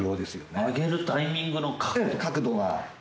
上げるタイミングの角度が。